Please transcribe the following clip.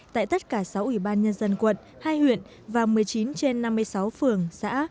tại tất cả sáu ủy ban nhân dân quận hai huyện và một mươi chín trên năm mươi sáu phường xã